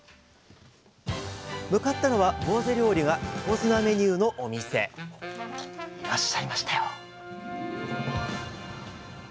向かったのはぼうぜ料理が横綱メニューのお店いらっしゃいましたよ。